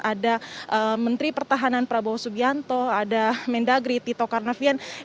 ada menteri pertahanan prabowo subianto ada mendagri tito karnavian